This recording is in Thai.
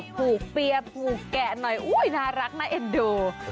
ปลูกเปียบปลูกแกะหน่อยน่ารักน่าเอ็ดโด